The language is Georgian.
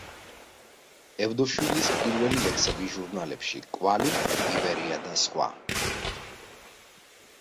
ევდოშვილის პირველი ლექსები ჟურნალებში „კვალი“, „ივერია“ და სხვა.